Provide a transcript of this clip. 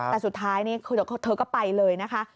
แต่สุดท้ายนี่เธอก็ไปเลยนะคะ